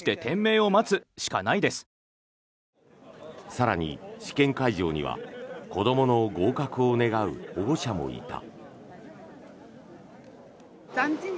更に、試験会場には子どもの合格を願う保護者もいた。